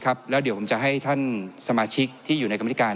ครับแล้วเดี๋ยวผมจะให้ท่านสมาชิกที่อยู่ในกรรมธิการ